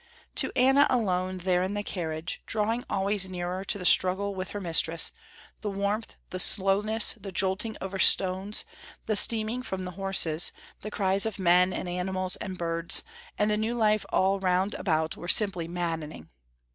To Anna alone there in the carriage, drawing always nearer to the struggle with her mistress, the warmth, the slowness, the jolting over stones, the steaming from the horses, the cries of men and animals and birds, and the new life all round about were simply maddening.